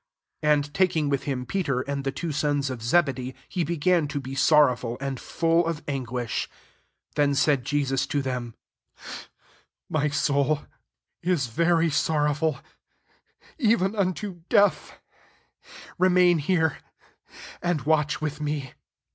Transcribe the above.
37 And taking with him Peter, and the two sons of Zebedee, he began to be sor rowful, and full of anguish. 38 Then said Jesus to them, '* My soul is very sorrowful, even un to death: remain here, and watch with me."